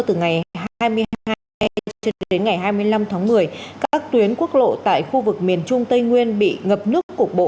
từ ngày hai mươi hai hai mươi năm tháng một mươi các tuyến quốc lộ tại khu vực miền trung tây nguyên bị ngập nước cục bộ